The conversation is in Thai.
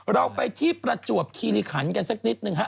เราไปที่ประจวบคีริขันกันสักนิดหนึ่งฮะ